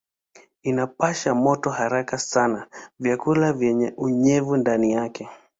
Inapasha moto haraka sana vyakula vyenye unyevu ndani yake.